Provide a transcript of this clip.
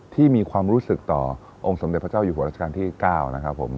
ที่มีความรู้สึกต่อองค์สมเด็จพระเจ้าอยู่หัวราชการที่๙นะครับผม